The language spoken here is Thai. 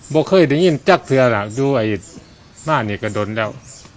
บอกเคยได้ยินจากเสือล่ะดูไอ้บ้านนี่ก็โดนแล้ว